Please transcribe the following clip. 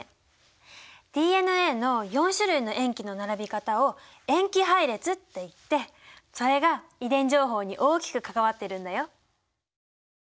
ＤＮＡの４種類の塩基の並び方を塩基配列といってそれが遺伝情報に大きく関わってるんだよ。